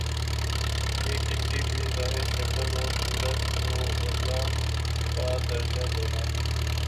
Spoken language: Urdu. کہ کسی بھی ظاہری شکل و صورت کو الہٰ کا درجہ دینا